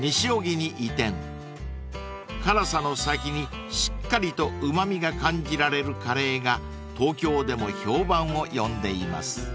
［辛さの先にしっかりとうま味が感じられるカレーが東京でも評判を呼んでいます］